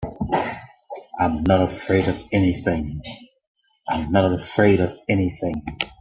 I'm not afraid of anything.